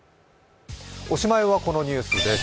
おしまいはこのニュースです。